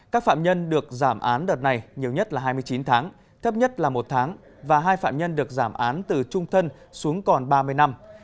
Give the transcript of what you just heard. các phạm nhân được giảm án đợt này nhiều nhất là hai mươi chín tháng thấp nhất là một tháng và hai phạm nhân được giảm án từ trung thân xuống còn ba mươi năm